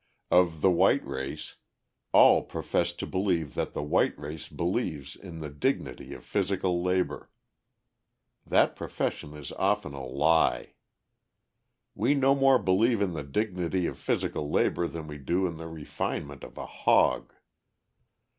of the white race, all profess to believe that the white race believes in the dignity of physical labor. That profession is often a lie. We no more believe in the dignity of physical labor than we do in the refinement of a hog.